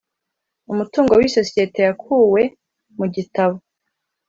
Umutungo w isosiyete yakuwe mu gitabo